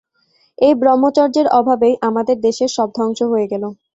এই ব্রহ্মচর্যের অভাবেই আমাদের দেশের সব ধ্বংস হয়ে গেল।